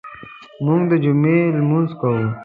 موږ د جمعې لمونځ کوو.